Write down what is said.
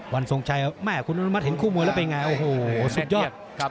ทรงชัยแม่คุณอนุมัติเห็นคู่มวยแล้วเป็นไงโอ้โหสุดยอด